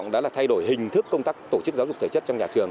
đã là thay đổi hình thức công tác tổ chức giáo dục thể chất trong nhà trường